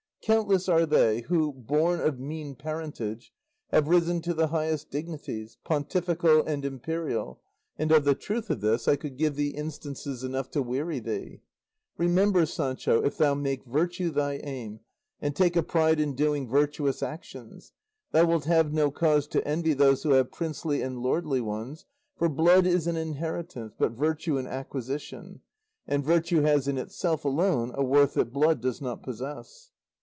Countless are they who, born of mean parentage, have risen to the highest dignities, pontifical and imperial, and of the truth of this I could give thee instances enough to weary thee. "Remember, Sancho, if thou make virtue thy aim, and take a pride in doing virtuous actions, thou wilt have no cause to envy those who have princely and lordly ones, for blood is an inheritance, but virtue an acquisition, and virtue has in itself alone a worth that blood does not possess.